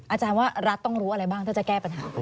อาจารย์ว่ารัฐต้องรู้อะไรบ้างถ้าจะแก้ปัญหา